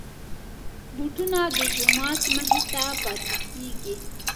بوټونه د جومات مخې ته پاتې کېږي.